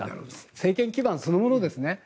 政権基盤そのものですね。